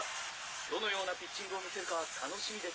どのようなピッチングを見せるか楽しみです。